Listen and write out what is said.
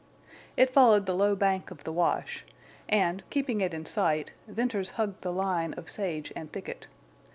It followed the low bank of the wash, and, keeping it in sight, Venters hugged the line of sage and thicket.